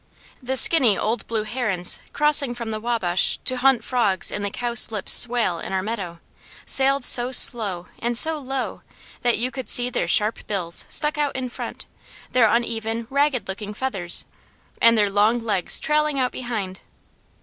The skinny old blue herons crossing from the Wabash to hunt frogs in the cowslip swale in our meadow, sailed so slow and so low, that you could see their sharp bills stuck out in front, their uneven, ragged looking feathers, and their long legs trailing out behind.